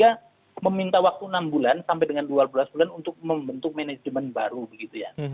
kita meminta waktu enam bulan sampai dengan dua belas bulan untuk membentuk manajemen baru begitu ya